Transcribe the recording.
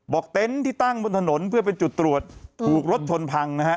เต็นต์ที่ตั้งบนถนนเพื่อเป็นจุดตรวจถูกรถชนพังนะฮะ